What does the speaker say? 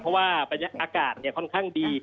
เพราะว่าบรรยากาศค่อนข้างดี